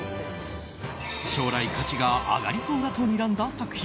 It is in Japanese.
将来、価値が上がりそうだとにらんだ作品。